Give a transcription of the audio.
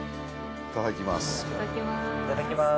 いただきます。